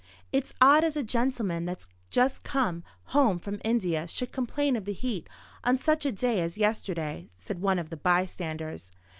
"It's odd as a gentleman that's just come home from India should complain of the heat on such a day as yesterday," said one of the bystanders.